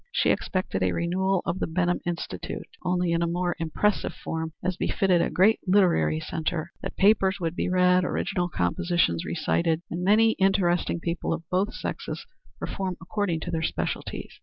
She expected a renewal of the Benham Institute, only in a more impressive form, as befitted a great literary centre; that papers would be read, original compositions recited, and many interesting people of both sexes perform according to their specialties.